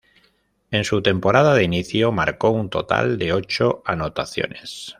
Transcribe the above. En su temporada de inicio, marcó un total de ocho anotaciones.